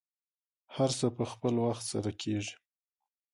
هر څه په خپل وخت سره کیږي.